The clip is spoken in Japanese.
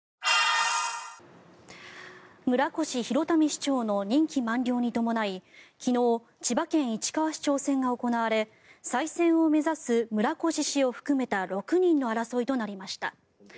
村越祐民市長の任期満了に伴い昨日、千葉県市川市長選が行われ再選を目指す村越氏を含めた６人の争いとなりました。